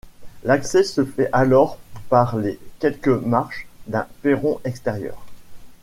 L'accès se fait alors par les quelques marches d'un perron extérieur.